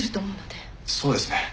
そうですね。